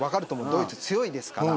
ドイツ強いですから。